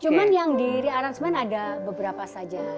cuman yang di rearancement ada beberapa saja